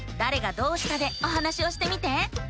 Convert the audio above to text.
「どうした」でお話をしてみて！